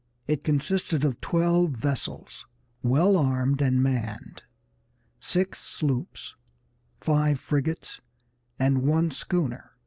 It consisted of twelve vessels, well armed and manned, six sloops, five frigates, and one schooner.